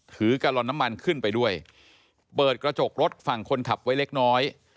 กะลอนน้ำมันขึ้นไปด้วยเปิดกระจกรถฝั่งคนขับไว้เล็กน้อย